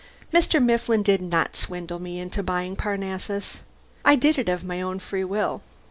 Mr. Mifflin did not swindle me into buying Parnassus. I did it of my own free will.